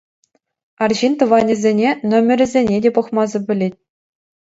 Арҫын тӑванӗсене номерӗсене те пӑхмасӑр пӗлмест.